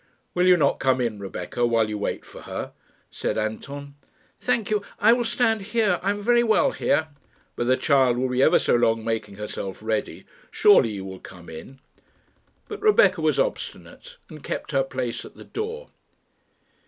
"Will you not come in, Rebecca, while you wait for her?" said Anton. "Thank you, I will stand here. I am very well here." "But the child will be ever so long making herself ready. Surely you will come in." But Rebecca was obstinate, and kept her place at the door.